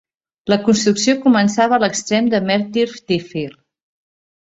La construcció començava a l"extrem de Merthyr Tydfil.